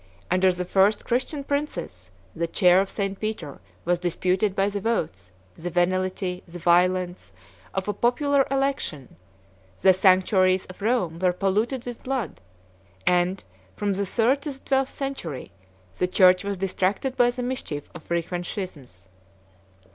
Under the first Christian princes, the chair of St. Peter was disputed by the votes, the venality, the violence, of a popular election: the sanctuaries of Rome were polluted with blood; and, from the third to the twelfth century, the church was distracted by the mischief of frequent schisms.